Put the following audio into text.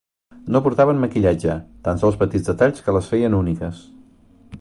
No portaven maquillatge, tan sols petits detalls que les feien úniques.